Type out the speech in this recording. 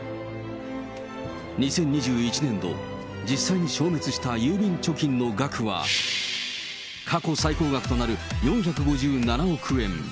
２０２１年度、実際に消滅した郵便貯金の額は、過去最高額となる４５７億円。